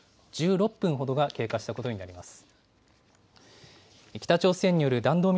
１６分ほどが経過したことになります。